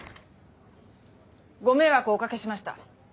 ご迷惑をおかけしました。